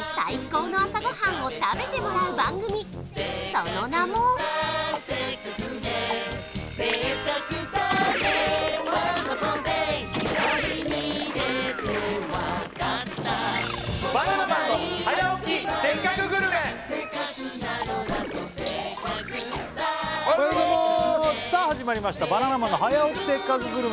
その名もおはようございますさあ始まりました「バナナマンの早起きせっかくグルメ！！」